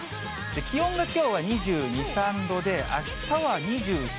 気温がきょうは２２、３度で、あしたは２４、５度。